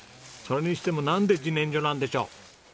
それにしてもなんで自然薯なんでしょう？